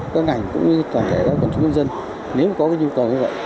các ngành cũng như tổ chức nhà nước nếu có nhu cầu như vậy